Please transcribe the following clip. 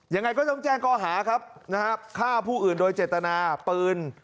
ยังไงก็ต้องแจ้งข้อหาครับนะฮะฆ่าผู้อื่นโดยเจตนาปืน